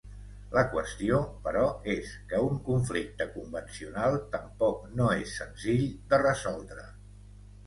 La qüestió, però, és que un conflicte convencional tampoc no és senzill de resoldre.